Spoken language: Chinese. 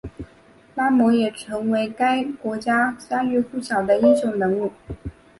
拉蒙也成为该国家喻户晓的英雄人物。